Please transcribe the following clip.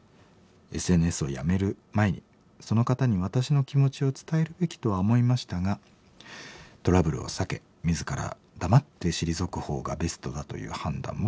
ＳＮＳをやめる前にその方に私の気持ちを伝えるべきとは思いましたがトラブルを避け自ら黙って退くほうがベストだという判断を選びました。